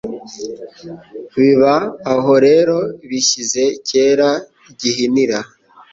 Biba aho rero bishyize kera Gihinira